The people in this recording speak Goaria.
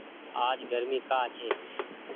آج گرمي ڪآ ڇي ۔